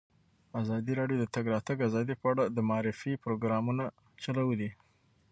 ازادي راډیو د د تګ راتګ ازادي په اړه د معارفې پروګرامونه چلولي.